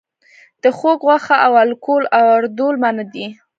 د خوګ غوښه او الکول واردول منع دي؟